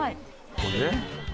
これね。